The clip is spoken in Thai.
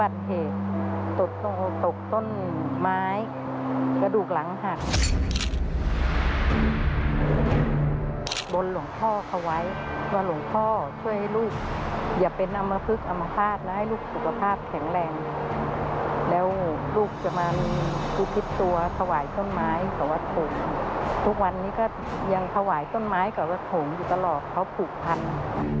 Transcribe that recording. ทุกวันนี้ก็ยังถวายต้นไม้กับวัดโถงอยู่ตลอดเขาผูกพัน